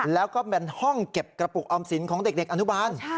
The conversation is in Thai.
แล้วก็เป็นห้องเก็บกระปุกออมสินของเด็กอนุบาล